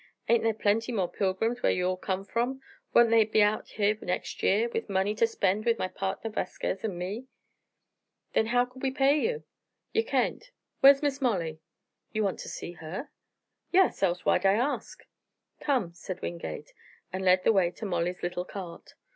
Ain't thar plenty more pilgrims whar ye all come from? Won't they be out here next year, with money ter spend with my pardner Vasquez an' me?" "Then how could we pay you?" "Ye kain't. Whar's Miss Molly?" "You want to see her?" "Yes, else why'd I ask?" "Come," said Wingate, and led the way to Molly's little cart.